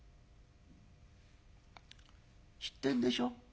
知ってんでしょ？